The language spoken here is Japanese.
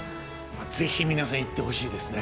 是非皆さん行ってほしいですね。